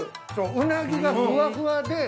うなぎがふわふわで。